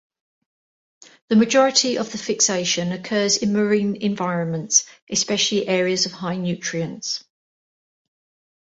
The majority of the fixation occurs in marine environments, especially areas of high nutrients.